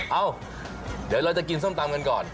เอ้าเดี๋ยวเราจะกินส้มตำกันก่อน